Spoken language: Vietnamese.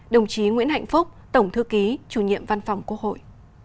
đồng chí nguyễn hạnh phúc tổng thư ký chủ nhiệm văn phòng quốc hội